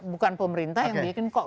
bukan pemerintah yang bikin kok